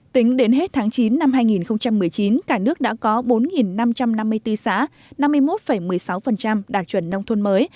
tính đến hết tháng chín năm hai nghìn một mươi chín cả nước đã có bốn năm trăm năm mươi bốn xã năm mươi một một mươi sáu đạt chuẩn nông thôn mới